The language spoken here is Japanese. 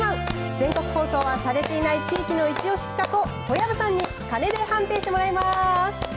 全国放送はされていない地域のいちおし企画を小籔さんに鐘で判定してもらいます。